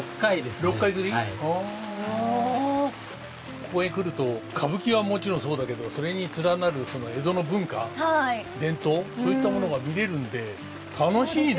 ここへ来ると歌舞伎はもちろんそうだけどそれに連なる江戸の文化伝統そういったものが見れるんで楽しいね。